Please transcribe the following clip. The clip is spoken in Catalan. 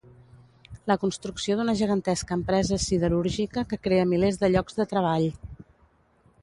La construcció d'una gegantesca empresa siderúrgica que crea milers de llocs de treball.